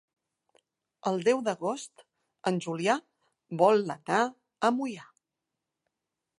El deu d'agost en Julià vol anar a Moià.